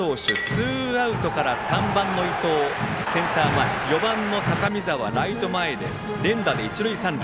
ツーアウトから３番の伊藤センター前４番の高見澤がライト前で連打で一塁三塁。